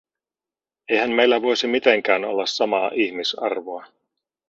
Eihän heillä voisi mitenkään olla samaa ihmisarvoa.